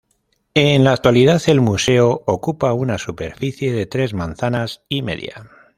En la actualidad el Museo ocupa una superficie de tres manzanas y media.